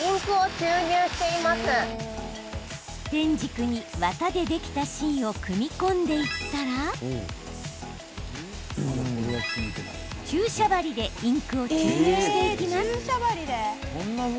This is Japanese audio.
ペン軸に綿でできた芯を組み込んでいったら注射針でインクを注入していきます。